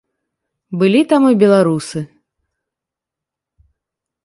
Былі там і беларусы.